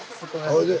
おいで。